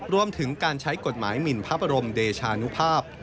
รวมถึงการใช้กฎหมายหมินพระบรมเดชานุภาพ